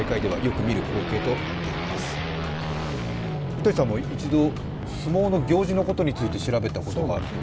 三谷さんも一度、相撲の行司のことについて調べたことがあると？